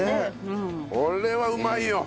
これはうまいよ！